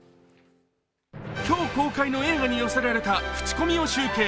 今日公開の映画に寄せられた口コミを集計。